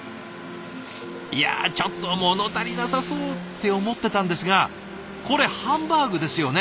いやちょっと物足りなさそうって思ってたんですがこれハンバーグですよね？